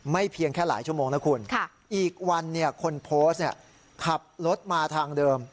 เพียงแค่หลายชั่วโมงนะคุณอีกวันคนโพสต์ขับรถมาทางเดิม